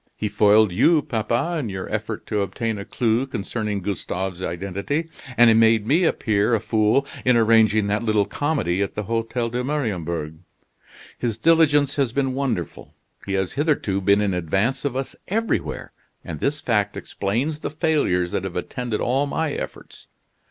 He foiled you, papa, in your effort to obtain a clue concerning Gustave's identity; and he made me appear a fool in arranging that little comedy at the Hotel de Mariembourg. His diligence has been wonderful. He has hitherto been in advance of us everywhere, and this fact explains the failures that have attended all my efforts.